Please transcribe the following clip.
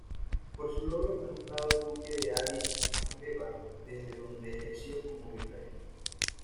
Por su logro fue nombrado duque de Adís Abeba, desde donde ejerció como Virrey.